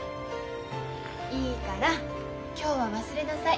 いいから今日は忘れなさい。